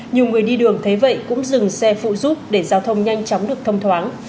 nhiều người đi đường thế vậy cũng dừng xe phụ giúp để giao thông nhanh chóng được thông thoáng